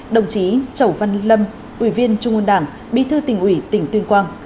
đồng chí chẩu văn lâm ubnd bí thư tỉnh ủy tỉnh tuyên quang